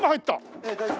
ええ大丈夫。